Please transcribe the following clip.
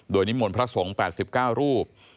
โดยนิมนต์พระสงฆ์๘๙รูป